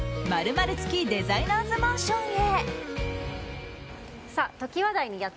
○○付きデザイナーズマンションへ。